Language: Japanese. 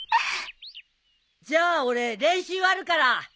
じゃあ俺練習あるから。